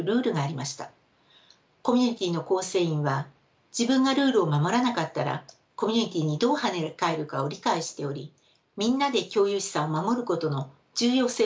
コミュニティーの構成員は自分がルールを守らなかったらコミュニティーにどうはね返るかを理解しておりみんなで共有資産を守ることの重要性を認識していました。